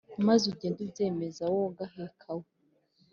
Maze ugende ubyemeza wo gaheka we